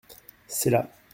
C’est là.